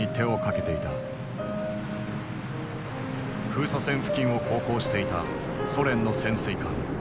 封鎖線付近を航行していたソ連の潜水艦。